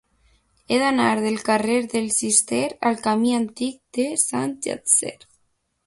He d'anar del carrer del Cister al camí Antic de Sant Llàtzer.